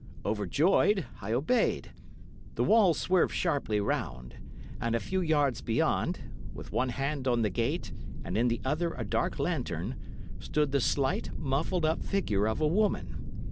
Overjoyed, I obeyed. The wall swerved sharply round, and a few yards beyond, with one hand on the gate and in the other a dark lantern, stood the slight, muffled up figure of a woman.